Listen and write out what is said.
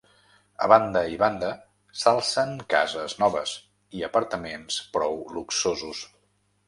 A banda i banda s'alcen cases noves i apartaments prou luxosos.